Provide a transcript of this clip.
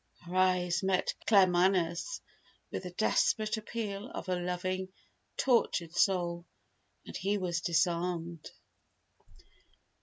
Her eyes met Claremanagh's with the desperate appeal of a loving, tortured soul, and he was disarmed.